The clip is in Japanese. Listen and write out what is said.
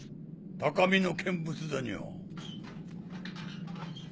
高みの見物だにゃ。